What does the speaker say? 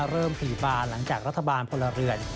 เริ่มผีบานหลังจากรัฐบาลพลเรือน